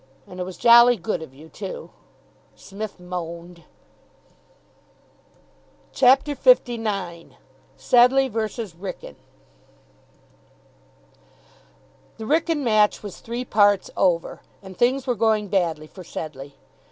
"And it was jolly good of you, too." Psmith moaned. CHAPTER LIX SEDLEIGH v. WRYKYN The Wrykyn match was three parts over, and things were going badly for Sedleigh.